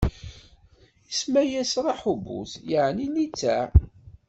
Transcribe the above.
Isemma-yas Raḥubut, yeɛni litteɛ;